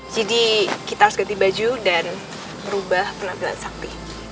jadi kita harus ganti baju dan merubah penampilan sakti